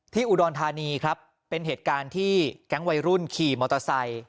อุดรธานีครับเป็นเหตุการณ์ที่แก๊งวัยรุ่นขี่มอเตอร์ไซค์